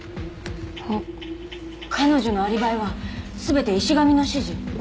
彼女のアリバイはすべて石神の指示？